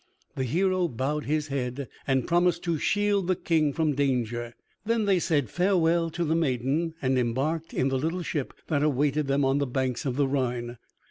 The hero bowed his head and promised to shield the King from danger, then they said farewell to the maiden, and embarked in the little ship that awaited them on the banks of the Rhine.